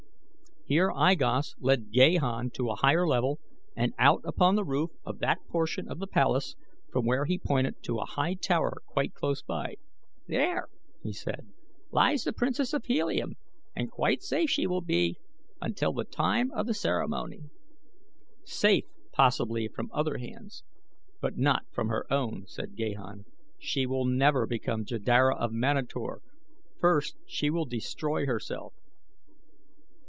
Here I Gos led Gahan to a higher level and out upon the roof of that portion of the palace from where he pointed to a high tower quite close by. "There," he said, "lies the Princess of Helium, and quite safe she will be until the time of the ceremony." "Safe, possibly, from other hands, but not from her own," said Gahan. "She will never become Jeddara of Manator first will she destroy herself."